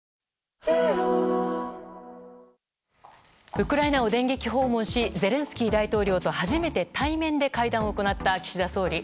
ウクライナを電撃訪問しゼレンスキー大統領と初めて対面で会談を行った岸田総理。